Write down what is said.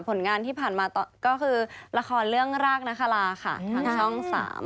ผลงานที่ผ่านมาก็คือละครเรื่องรากนาคาราค่ะทางช่อง๓